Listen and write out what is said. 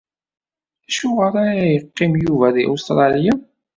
Acuɣer ara yeqqim Yuba deg Ustṛalya?